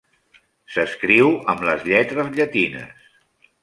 S'escriu amb les lletres llatines.